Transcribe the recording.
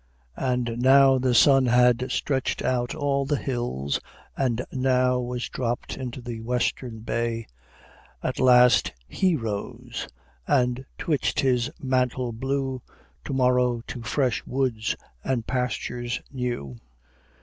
"And now the sun had stretched out all the hills, And now was dropped into the western bay; At last he rose, and twitched his mantle blue; To morrow to fresh woods and pastures new."